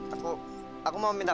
aku aku mau minta